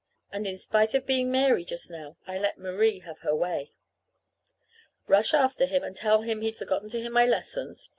And in spite of being Mary just now, I let Marie have her way. Rush after him and tell him he'd forgotten to hear my lessons?